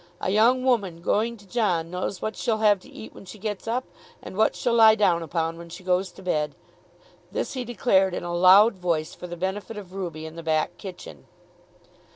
A young woman going to John knows what she'll have to eat when she gets up, and what she'll lie down upon when she goes to bed." This he declared in a loud voice for the benefit of Ruby in the back kitchen.